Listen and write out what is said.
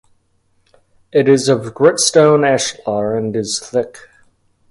It is of gritstone ashlar and is thick.